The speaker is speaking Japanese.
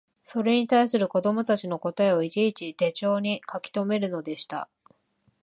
それに対する子供たちの答えをいちいち手帖に書きとめるのでした